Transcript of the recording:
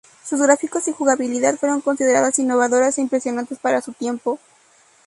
Sus gráficos y jugabilidad fueron consideradas innovadoras e impresionantes para su tiempo.